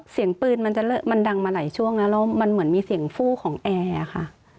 เสียงปืนมันจะมันดังมาหลายช่วงนะแล้วมันเหมือนมีเสียงฟู้ของแอร์ค่ะ